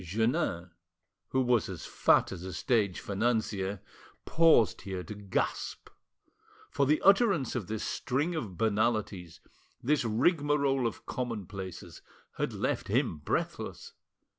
'" Jeannin, who was as fat as a stage financier, paused here to gasp; for the utterance of this string of banalities, this rigmarole of commonplaces, had left him breathless.